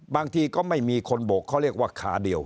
บางทีก็ไม่มีคนโบกเขาเรียกว่าขาเดียว